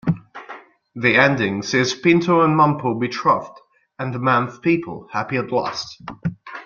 The ending sees Pinto and Mumpo betrothed, and the Manth people happy at last.